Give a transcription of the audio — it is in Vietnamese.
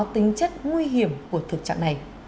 tính chất nguy hiểm của thực trạng này